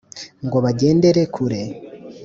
ngo bagendere kure,